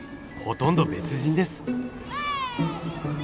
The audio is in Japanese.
ほとんど別人です。